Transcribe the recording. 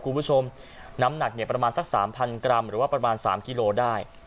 คุณผู้ชมน้ำหนักเนี่ยประมาณสัก๓๐๐กรัมหรือว่าประมาณ๓กิโลได้